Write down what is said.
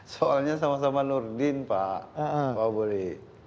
soalnya sama sama nurdin pak pak wabuli